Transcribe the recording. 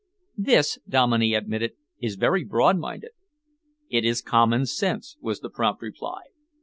"This," Dominey admitted, "is very broad minded." "It is common sense," was the prompt reply.